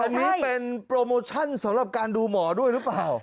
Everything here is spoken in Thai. อันนี้เป็นโปรโมชั่นสำหรับการดูหมอด้วยหรือเปล่า